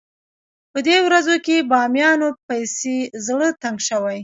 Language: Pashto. په دې ورځو کې بامیانو پسې زړه تنګ شوی.